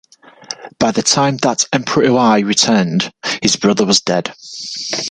By the time that Emperor Hui returned, his brother was dead.